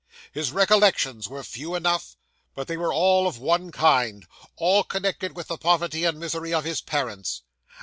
His recollections were few enough, but they were all of one kind all connected with the poverty and misery of his parents.